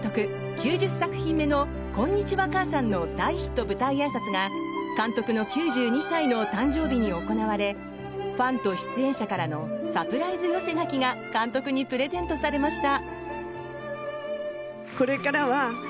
９０作品目の「こんにちは、母さん」の大ヒット舞台あいさつが監督の９２歳の誕生日に行われファンと出演者からのサプライズ寄せ書きが監督にプレゼントされました。